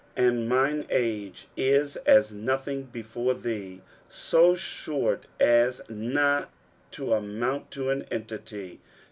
" And mine age m at nothing b^ore thee." So short as not to amount to an entity.